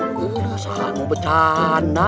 ini udah selalu bercanda